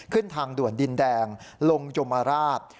ทางด่วนดินแดงลงยมราช